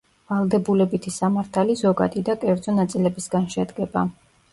ვალდებულებითი სამართალი ზოგადი და კერძო ნაწილებისგან შედგება.